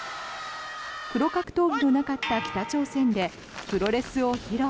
プロ格闘技のなかった北朝鮮でプロレスを披露。